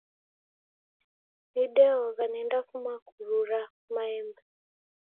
Nideogha nendafuma kurura maembe.